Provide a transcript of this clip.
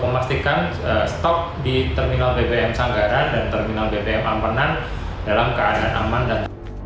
memastikan stok di terminal bbm sanggara dan terminal bbm ampenan dalam keadaan aman dan